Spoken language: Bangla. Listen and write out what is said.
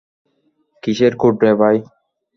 কিসের কোড রে ভাই?